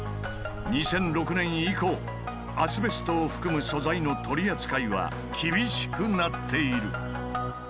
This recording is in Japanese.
２００６年以降アスベストを含む素材の取り扱いは厳しくなっている。